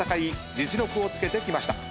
実力をつけてきました。